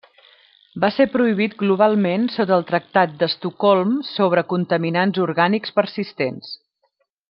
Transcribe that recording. Va ser prohibit globalment sota el tractat d'Estocolm sobre contaminants orgànics persistents.